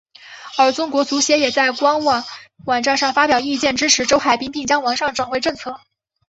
而中国足协也在官方网站上发表意见支持周海滨并将完善转会政策。